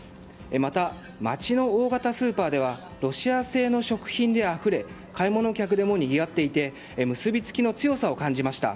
また、街の大型スーパーではロシア製の食品であふれ買い物客でもにぎわっていて結びつきの強さを感じました。